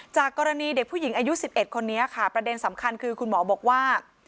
จากกรณีเด็กผู้หญิงอายุ๑๑คนนี้ค่ะประเด็นสำคัญคือคุณหมอบอกว่า